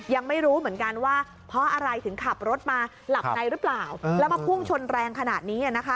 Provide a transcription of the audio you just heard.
ยังไม่รู้เหมือนกันว่าเพราะอะไรถึงขับรถมาหลับในหรือเปล่าแล้วมาพุ่งชนแรงขนาดนี้นะคะ